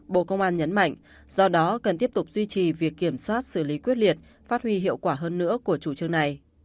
bộ công an nhấn mạnh do đó cần tiếp tục duy trì việc kiểm soát xử lý quyết liệt phát huy hiệu quả hơn nữa của chủ trương này